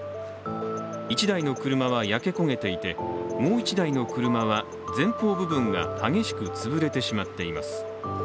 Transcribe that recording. １台の車は焼け焦げていてもう１台の車は前方部分が激しく潰れてしまっています。